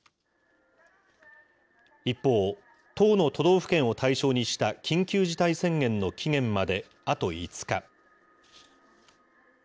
一方、１０の都道府県を対象にした緊急事態宣言の期限まであと５日。